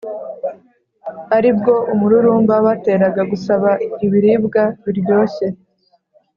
ari bwo umururumba wabateraga gusaba ibiribwa biryoshye;